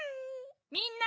・みんな！